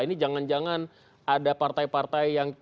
ini jangan jangan ada partai partai yang